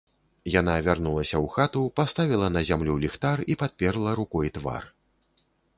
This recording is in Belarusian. Яна вярнулася ў хату, паставіла на зямлю ліхтар і падперла рукой твар.